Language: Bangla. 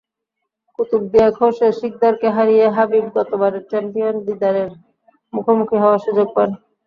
কুতুবদিয়ার খোরশেদ সিকদারকে হারিয়ে হাবিব গতবারের চ্যাম্পিয়ন দিদারের মুখোমুখি হওয়ার সুযোগ পান।